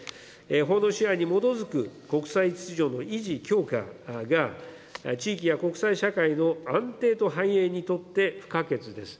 法の支配に基づく国際秩序の維持強化が、地域や国際社会の安定と繁栄にとって不可欠です。